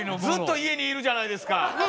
ずっと家にいるじゃないですか。